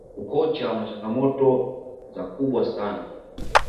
ukocha una changamoto za kubwa sana